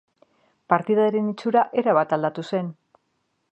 Partidaren itxura erabat aldatu zen.